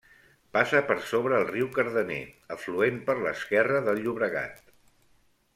Passa per sobre el riu Cardener, afluent per l'esquerra del Llobregat.